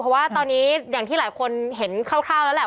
เพราะว่าตอนนี้อย่างที่หลายคนเห็นคร่าวแล้วแหละ